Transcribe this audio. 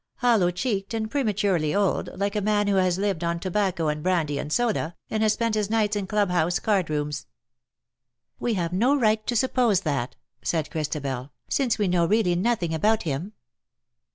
*'" Hollow cheeked, and prematurely old^ like a man who has lived on tobacco and brandy and soda^ and has spent his nights in club house card rooms." " We have no right to suppose that," said Christabel;, " since we know really nothing about him."